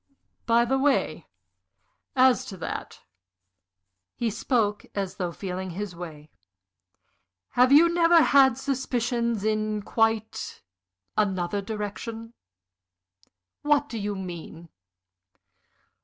"By the way, as to that" he spoke as though feeling his way "have you never had suspicions in quite another direction?" "What do you mean?"